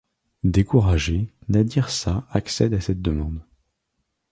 Découragé, Nâdir Shâh accède à cette demande.